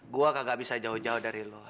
gue nggak bisa jauh jauh dari lo